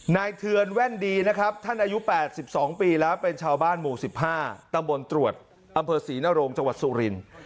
เทือนแว่นดีนะครับท่านอายุ๘๒ปีแล้วเป็นชาวบ้านหมู่๑๕ตำบลตรวจอำเภอศรีนโรงจังหวัดสุรินทร์